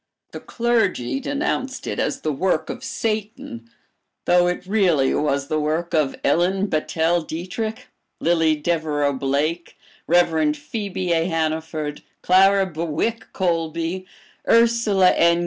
The clergy denounced it as the work of Satan, though it really was the work of Ellen Battelle Dietrick, Lillie Devereux Blake, Rev. Phebe A. Hanaford, Clara Bewick Colby, Ursula N.